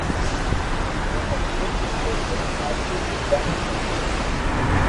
ھين او ھڻو او ايڪ ھاچي ھردا ري ڪہاني ھي